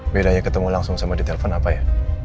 bedanya ketemu langsung sama di telepon apa ya